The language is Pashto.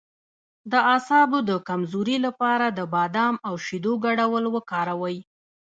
د اعصابو د کمزوری لپاره د بادام او شیدو ګډول وکاروئ